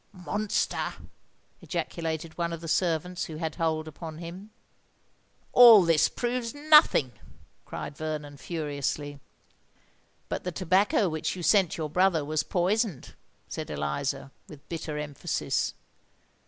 "Monster!" ejaculated one of the servants who had hold upon him. "All this proves nothing," cried Vernon, furiously. "But the tobacco which you sent your brother was poisoned," said Eliza, with bitter emphasis.